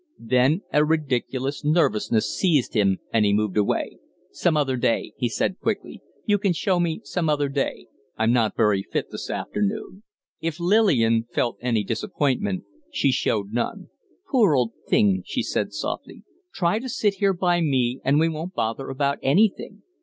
Then a ridiculous nervousness seized him and he moved away. "Some other day," he said, quickly. "You can show me some other day. I'm not very fit this afternoon." If Lillian felt any disappointment, she showed none. "Poor old thing!" she said, softly. "Try to sit here by me and we won't bother about anything."